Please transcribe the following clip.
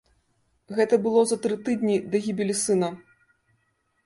Гэта было за тры тыдні да гібелі сына.